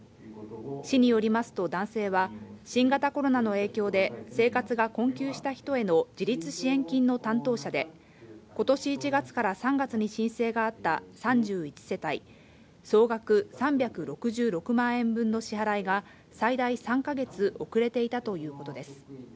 市によりますと、男性は新型コロナの影響で、生活が困窮した人への自立支援金の担当者で、ことし１月から３月に申請があった３１世帯、総額３６６万円分の支払いが、最大３か月遅れていたということです。